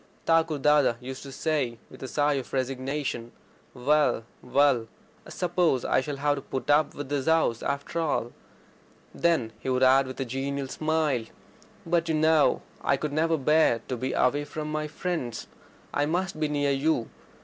Thakur Dada used to say, after a long sigh of resignation: "Well, well, I suppose I shall have to put up with this house after all." Then he would add with a genial smile: "But, you know, I could never bear to be away from my friends. I must be near you.